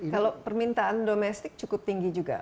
kalau permintaan domestik cukup tinggi juga